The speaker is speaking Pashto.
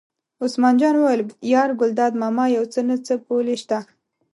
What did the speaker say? عثمان جان وویل: یار ګلداد ماما یو څه نه څه پولې شته.